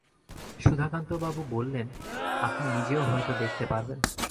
সুধাকান্তবাবু বললেন, আপনি নিজেও হয়তো দেখতে পারবেন!